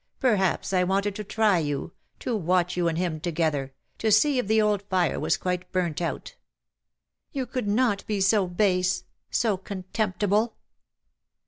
" Perhaps I wanted to try you — to watch you and him together — to see if the old fire was quite burnt out." *' You could not be so base — so contemptible."